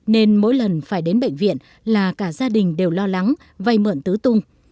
nên mỗi lần phải đến bệnh viện là cả gia đình đều lo lắng vay mượn tứ tung